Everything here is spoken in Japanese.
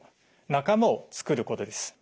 仲間をつくることです。